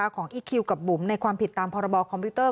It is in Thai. อีคิวกับบุ๋มในความผิดตามพรบคอมพิวเตอร์